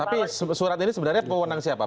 tapi surat ini sebenarnya kewenangan siapa